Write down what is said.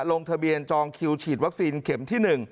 ลงทะเบียนจองคิวฉีดวัคซีนเข็มที่๑